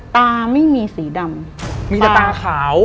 ตาไม่มีสีดำมีแต่ตาขาว